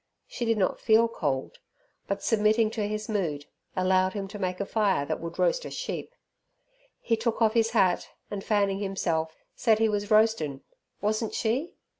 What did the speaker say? She did not feel cold, but, submitting to his mood, allowed him to make a fire that would roast a sheep. He took off his hat, and, fanning himself, said he was roastin', wasn't she?